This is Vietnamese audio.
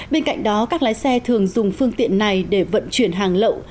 bên cạnh đó các lái xe thường dùng phương tiện này để vận chuyển hàng lậu